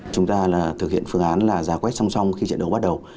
chúng ta thực hiện phương án là giả quét song song khi trận đấu bắt đầu